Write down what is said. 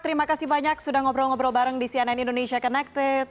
terima kasih banyak sudah ngobrol ngobrol bareng di cnn indonesia connected